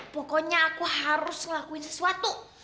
pokoknya aku harus ngelakuin sesuatu